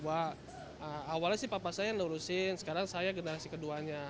awalnya sih papa saya lurusin sekarang saya generasi keduanya